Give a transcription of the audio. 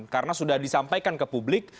karena sudah disampaikan ke publik